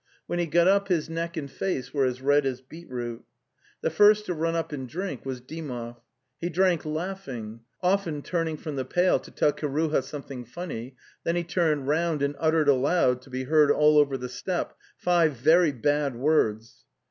When he got up his neck and face were as red as beetroot. The first to run up and drink was Dymov. He drank laughing, often turn ing from the pail to tell Kiruha something funny, then he turned round, and uttered aloud, to be heard all over the steppe, five very bad words.